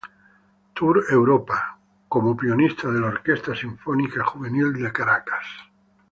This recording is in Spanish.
Tour Europa: Como Pianista de la Orquesta Sinfónica Juvenil de Caracas.